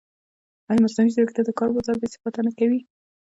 ایا مصنوعي ځیرکتیا د کار بازار بېثباته نه کوي؟